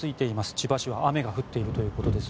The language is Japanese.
千葉市は雨が降っているということです。